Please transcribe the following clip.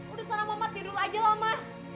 udah sana mama tidur aja lah ma